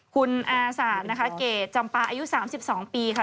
คุณอาศาสตร์เกรดจำปลาอายุ๓๒ปีค่ะ